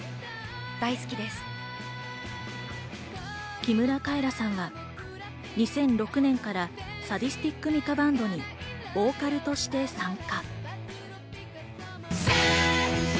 木村カエラさんは２００６年からサディスティック・ミカ・バンドにボーカルとして参加。